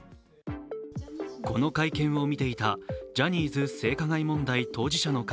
この会見を見ていた、ジャニーズ性加害問題当事者の会